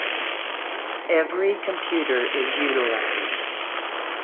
Every computer is utilized.